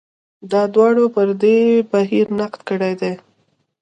دا دواړو پر دې بهیر نقد کړی دی.